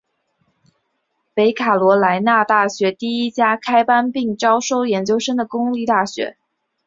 北卡罗来纳大学第一家开班并招收研究生的公立大学。